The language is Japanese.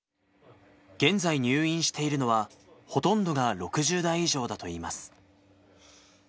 現在、入院しているのはほとんどが６０代以上だといいます。